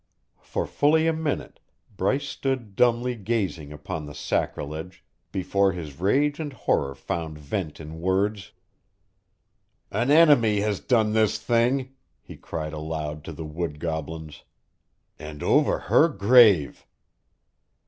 For fully a minute Bryce stood dumbly gazing upon the sacrilege before his rage and horror found vent in words. "An enemy has done this thing," he cried aloud to the wood goblins. "And over her grave!"